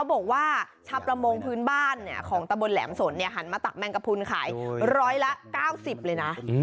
บอกว่าชาวประมงพื้นบ้านของตะบนแหลมสนหันมาตักแมงกระพุนขายร้อยละ๙๐เลยนะ